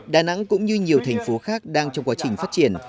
đà nẵng cũng như nhiều thành phố khác đang trong quá trình phát triển